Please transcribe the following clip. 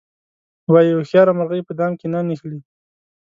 وایي هوښیاره مرغۍ په دام کې نه نښلي.